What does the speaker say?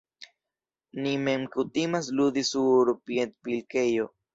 Ni mem kutimas ludi sur piedpilkejo...